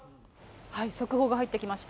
速報が入ってきました。